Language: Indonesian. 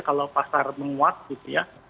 kalau pasar menguat gitu ya